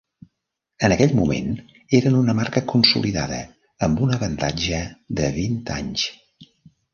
En aquell moment eren una marca consolidada amb un avantatge de vint anys.